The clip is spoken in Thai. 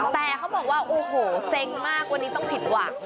แต่เขาบอกว่าโอ้โหเซ็งมากวันนี้ต้องผิดหวัง